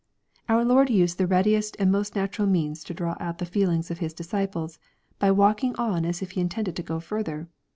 Our Lord used the readiest and most natural means to draw out the feelings of His disciples, by walking on as if He intended to go fuither.